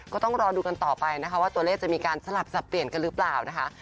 ก็ต้องรอดูกันต่อไปนะคะว่าตัวเลขจะมีการสลับสับเปลี่ยนกันหรือเปล่านะคะ